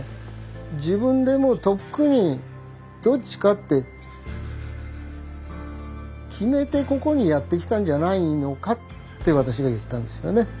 自分でもうとっくにどっちかって決めてここにやって来たんじゃないのかって私が言ったんですよね。